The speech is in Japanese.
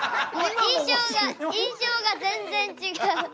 印象が全然違う。